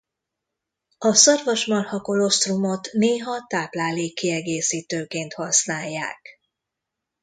A szarvasmarha-kolosztrumot néha táplálékkiegészítőként használják.